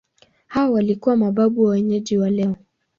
Hawa walikuwa mababu wa wenyeji wa leo.